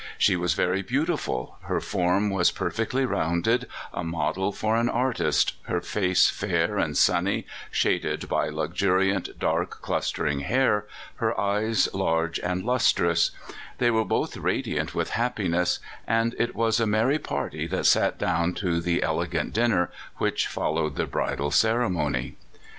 She was ver\ beautiful ; her form was perfectly rounded, a model for an artist, her face fair and sunny, shaded by luxuriant dark, clustering hair, her eyes large and lustrous. They were both radiant with happiness, and it was a merry party that sat down to the ele gant dinner which followed the bridal ceremony. 3 (33) 84 A Woman of the Early Days.